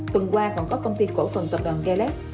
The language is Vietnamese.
tuần qua còn có công ty cổ phần tập đoàn galax